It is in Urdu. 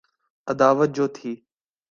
عداوت جو تھی۔